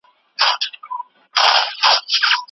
که خلک له سبزیو استفاده وکړي.